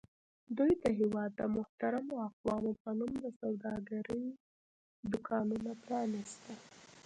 دوی د هېواد د محترمو اقوامو په نوم د سوداګرۍ دوکانونه پرانیستل.